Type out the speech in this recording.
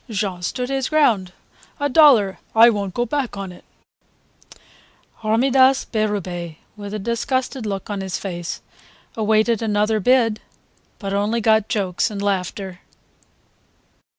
Jean stood his ground: "A dollar, I won't go back on it." Hormidas Berube with a disgusted look on his face awaited another bid, but only got jokes and laughter.